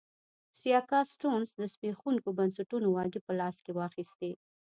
سیاکا سټیونز د زبېښونکو بنسټونو واګې په لاس کې واخیستې.